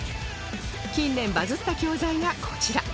近年バズった教材がこちら